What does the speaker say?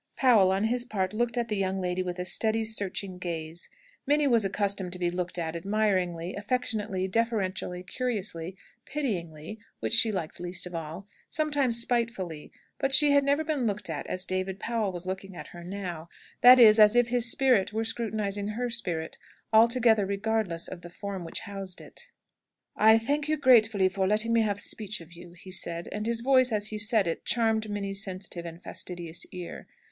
Powell, on his part, looked at the young lady with a steady, searching gaze. Minnie was accustomed to be looked at admiringly, affectionately, deferentially, curiously, pityingly (which she liked least of all) sometimes spitefully. But she had never been looked at as David Powell was looking at her now; that is, as if his spirit were scrutinising her spirit, altogether regardless of the form which housed it. "I thank you gratefully for letting me have speech of you," he said; and his voice, as he said it, charmed Minnie's sensitive and fastidious ear.